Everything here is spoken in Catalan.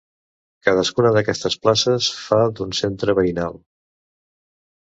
Cadascuna d'aquestes places fa d'un centre veïnal.